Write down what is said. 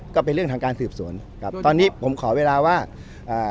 ก็เป็นเรื่องทางการสืบสวนครับตอนนี้ผมขอเวลาว่าอ่า